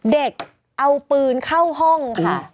เด็กเอาปืนเข้าห้องค่ะ